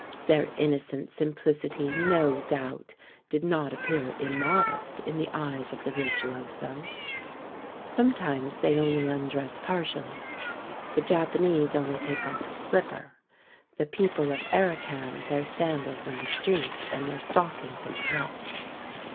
Their innocent simplicity, no doubt, did not appear immodest in the eyes of the virtuoso. Sometimes they only undress partially. The Japanese only take off a slipper; the people of Arracan their sandals in the street, and their stockings in the house.